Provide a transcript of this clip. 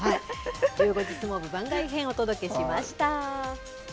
ゆう５時相撲部番外編、お届けしました。